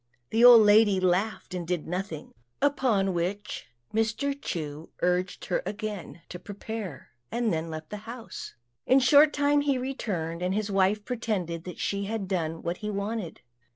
The old lady laughed and did nothing; upon which Mr. Chu urged her again to prepare, and then left the house. In a short time he returned, and his wife pretended that she had done what he wanted.